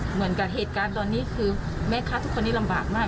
เหมือนกับเหตุการณ์ตอนนี้คือแม่ค้าทุกคนนี้ลำบากมาก